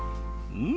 うん！